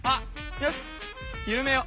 よしゆるめよう。